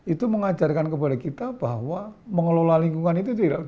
itu mengajarkan kepada kita bahwa mengelola lingkungan itu tidak